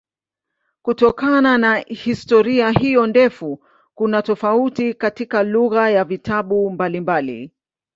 Kutokana na historia hiyo ndefu kuna tofauti katika lugha ya vitabu mbalimbali.